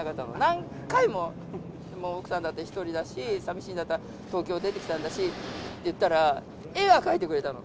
何回も、もう奥さんだって１人だし、寂しいんだから、東京出てきたんだしって言ったら、絵は描いてくれたの。